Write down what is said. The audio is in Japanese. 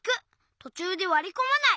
とちゅうでわりこまない。